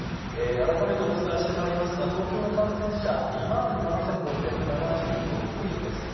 改めてお伝えしてまいりますが、東京の感染者、２万７６７６人です。